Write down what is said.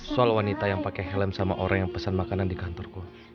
soal wanita yang pakai helm sama orang yang pesan makanan di kantorku